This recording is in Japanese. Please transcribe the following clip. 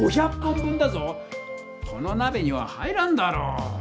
このなべには入らんだろう。